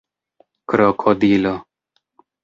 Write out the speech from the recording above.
krokodilo